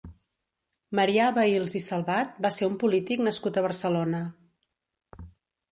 Marià Vehils i Salvat va ser un polític nascut a Barcelona.